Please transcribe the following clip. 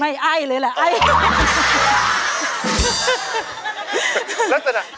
ไม่อายเลยแหละอาย